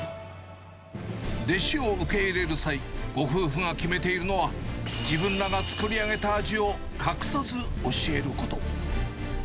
弟子を受け入れる際、ご夫婦が決めているのは、自分らが作り上げた味を隠さず教えること。